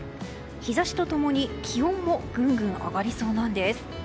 日差しと共に気温もぐんぐん上がりそうなんです。